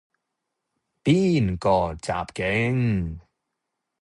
邊個襲警?